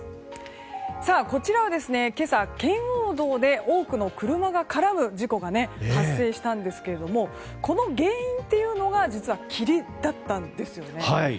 こちらは今朝圏央道で多くの車が絡む事故が発生したんですけどもこの原因が実は霧だったんですよね。